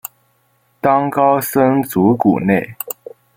当高僧祖古内。